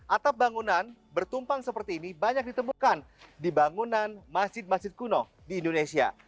atap bangunan bertumpang seperti ini banyak ditemukan di bangunan masjid masjid kuno di indonesia